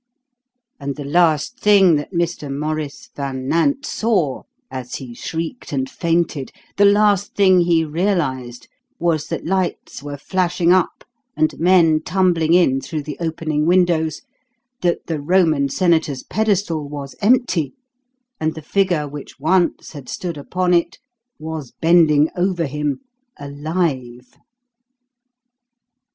And the last thing that Mr. Maurice Van Nant saw, as he shrieked and fainted, the last thing he realised, was that lights were flashing up and men tumbling in through the opening windows; that the Roman senator's pedestal was empty, and the figure which once had stood upon it was bending over him alive!